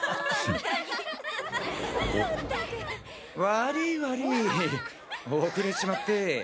悪い悪い遅れちまって。